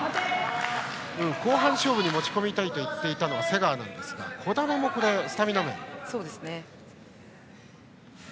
後半勝負に持ち込みたいと言っていたのは瀬川なんですが児玉もスタミナ面。